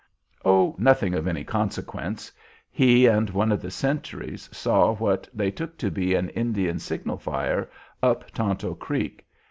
"Oh, nothing of any consequence. He and one of the sentries saw what they took to be an Indian signal fire up Tonto Creek.